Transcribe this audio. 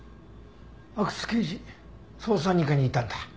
阿久津刑事捜査二課にいたんだ。